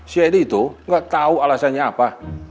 si edy itu gak tahu alasannya apa